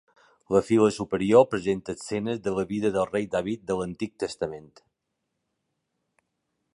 La fila superior presenta escenes de la vida del Rei David de l'Antic Testament.